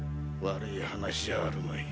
悪い話ではあるまい。